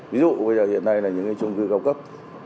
ví dụ bây giờ hiện nay là những trung cư cao cấp